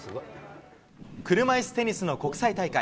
車いすテニスの国際大会。